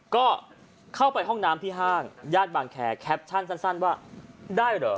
ก็เข้าไปห้องน้ำที่ห้างญาติบางแคร์แคปชั่นสั้นว่าได้เหรอ